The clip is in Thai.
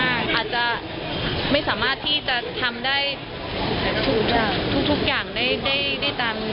อาจจะไม่สามารถที่จะทำได้ทุกอย่างได้ตังค์